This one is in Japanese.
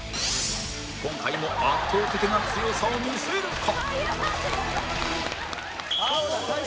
今回も圧倒的な強さを見せるか！？